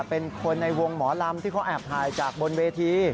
เป็นคนในวงหมอลำที่เขาแอบถ่ายจากบนเวที